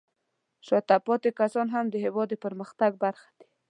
شاته پاتې کسان هم د هېواد د پرمختګ برخه دي.